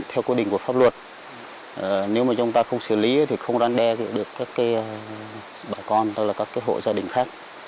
theo quy định của pháp luật nếu mà chúng ta không xử lý thì không răn đe được các bà con tức là các hộ gia đình khác